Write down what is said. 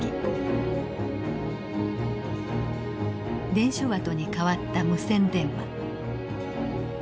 伝書バトに代わった無線電話。